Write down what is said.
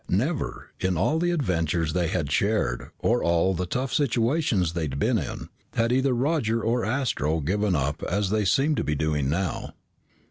Never, in all the adventures they had shared or all the tough situations they had been in, had either Roger or Astro given up as they seemed to be doing now.